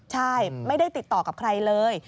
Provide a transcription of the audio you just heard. ใช่ไม่ได้ติดต่อกับใครเลย